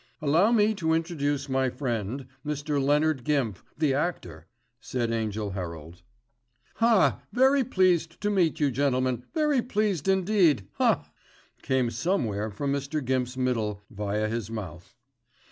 "Allow me to introduce my friend, Mr. Leonard Gimp, the actor," said Angell Herald. "Haaa! Very pleased to meet you, gentlemen, very pleased indeed, Haaa!" came somewhere from Mr. Gimp's middle, via his mouth.